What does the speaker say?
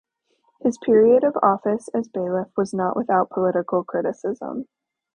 His period of office as Bailiff was not without political criticism.